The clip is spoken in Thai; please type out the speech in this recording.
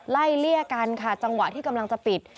เลี่ยกันค่ะจังหวะที่กำลังจะปิด